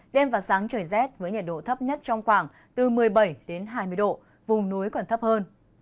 đêm và sáng trời rét với nhiệt độ thấp nhất trong khoảng từ một mươi bảy đến hai mươi độ vùng núi còn thấp hơn